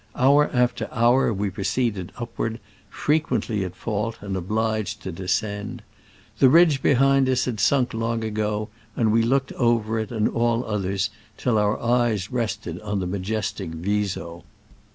Hour after hour we pro ceeded upward, frequently at fault and obliged to descend. The ridge behind us had sunk long ago, and we looked over it and all others till our eyes rested on the majestic Viso.